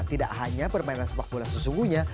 tidak hanya permainan sepak bola sesungguhnya